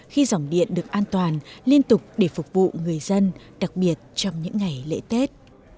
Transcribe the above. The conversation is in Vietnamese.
khi dòng điện được an toàn liên tục để phục vụ người dân đặc biệt trong những ngày lễ tết